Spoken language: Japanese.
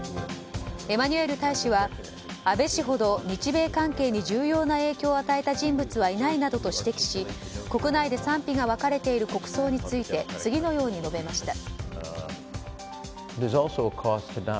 エマニュエル大使は安倍氏ほど日米関係に重要な影響を与えた人物はいないなどと指摘し国内で賛否が分かれている国葬について次のように述べました。